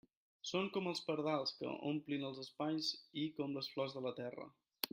Són com els pardals que omplin els espais i com les flors de la terra.